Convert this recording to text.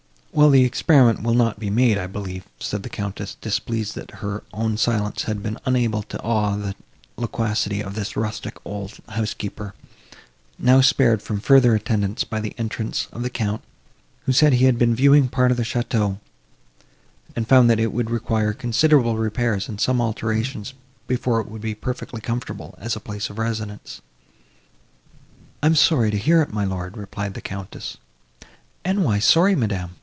"Well, the experiment will not be made, I believe," said the Countess, displeased that her own silence had been unable to awe the loquacity of this rustic old housekeeper, now spared from further attendance by the entrance of the Count, who said he had been viewing part of the château, and found, that it would require considerable repairs and some alterations, before it would be perfectly comfortable, as a place of residence. "I am sorry to hear it, my lord," replied the Countess. "And why sorry, madam?"